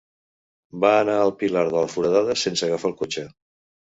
Va anar al Pilar de la Foradada sense agafar el cotxe.